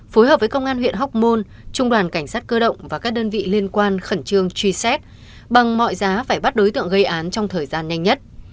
phối hợp với công an huyện hóc môn trung đoàn cảnh sát cơ động và các đơn vị liên quan khẩn trương truy xét bằng mọi giá phải bắt đối tượng gây án trong thời gian nhanh nhất